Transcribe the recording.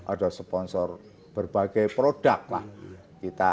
atau sponsor berbagai produk